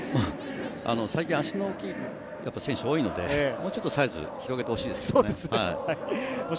最近、足の大きい選手多いので、もうちょっとサイズ広げてほしいですね。